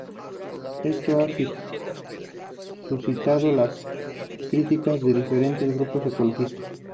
Esto ha suscitado las críticas de diferentes grupos ecologistas.